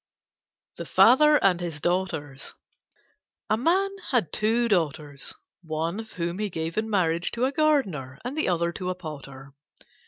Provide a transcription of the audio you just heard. THE FATHER AND HIS DAUGHTERS A Man had two Daughters, one of whom he gave in marriage to a gardener, and the other to a potter.